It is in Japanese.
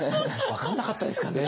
分かんなかったですかね。